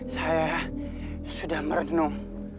saya sudah merenung